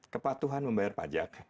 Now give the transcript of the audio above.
kepatuhan membayar pajak